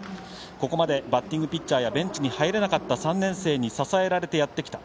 ここまでバッティングピッチャーベンチに入れなかった３年生に支えられてやってきた。